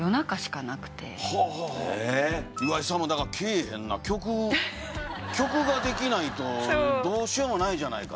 岩井さんも「来ぇへんな曲ができないとどうしようもないじゃないか」